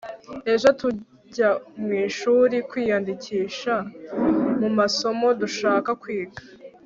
ejo tujya mwishuri kwiyandikisha mumasomo dushaka kwiga